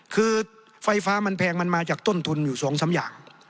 คือไฟฟ้ามันแพงมันมาจากต้นทุนอยู่๒๓อย่าง